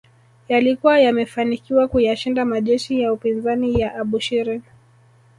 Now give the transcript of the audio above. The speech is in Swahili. Yalikuwa yamefanikiwa kuyashinda majeshi ya upinzani ya Abushiri